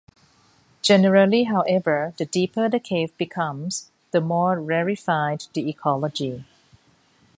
Generally however, the deeper the cave becomes, the more rarefied the ecology.